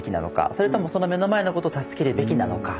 それとも目の前の事を助けるべきなのか。